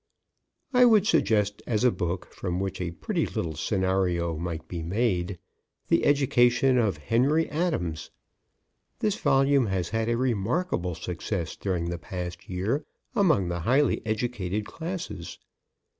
I would suggest as a book, from which a pretty little scenario might be made, "The Education of Henry Adams." This volume has had a remarkable success during the past year among the highly educated classes.